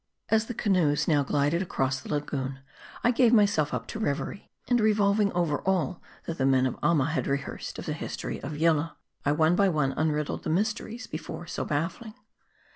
As the canoes now glided across the lagoon, I gave my self up to reverie ; and revolving over all that the men of Amma had rehearsed of the history of Yillah, I one by one unriddled the mysteries, before so baffling.